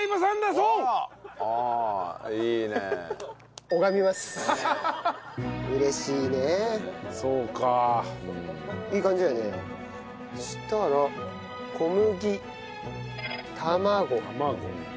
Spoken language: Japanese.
そうしたら小麦卵衣。